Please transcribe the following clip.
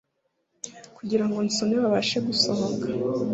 Kugira ngo nsone babashe gusohoka